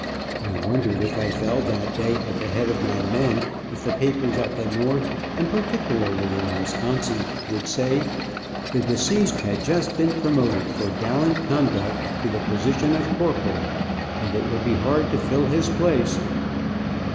I wondered, if I fell that day at the head of my mem, if the papers at the North, and particularly in Wisconsin, would say "The deceased had just been promoted, for gallant conduct, to the position of Corporal, and it will be hard to fill his place."